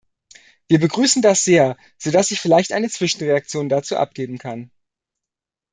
Wir begrüßen das sehr, so dass ich vielleicht eine Zwischenreaktion dazu abgeben kann.